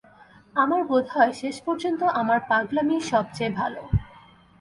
আমার বোধ হয়, শেষ পর্যন্ত আমার পাগলামিই সব চেয়ে ভাল।